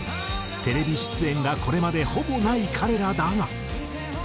テレビ出演がこれまでほぼない彼らだが。